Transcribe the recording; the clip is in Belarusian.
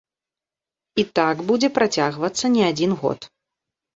І так будзе працягвацца не адзін год.